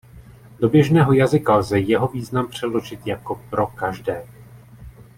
Do běžného jazyka lze jeho význam přeložit jako „"pro každé"“.